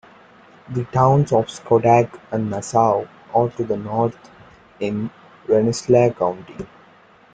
The towns of Schodack and Nassau are to the north in Rensselaer County.